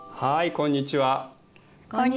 こんにちは。